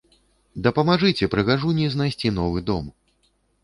Дапамажыце прыгажуні знайсці новы дом!